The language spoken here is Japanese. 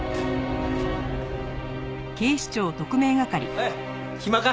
おい暇か？